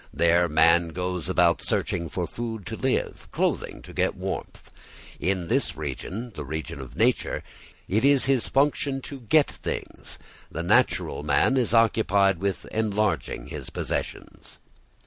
There man goes about searching for food to live, clothing to get warmth. In this region the region of nature it is his function to get things. The natural man is occupied with enlarging his possessions.